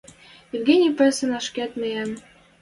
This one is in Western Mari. Евгений пӹсӹн ашкед миэн